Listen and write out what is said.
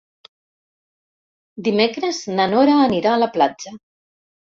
Dimecres na Nora anirà a la platja.